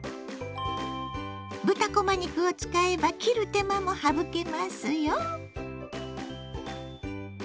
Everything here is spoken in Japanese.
豚こま肉を使えば切る手間も省けますよ。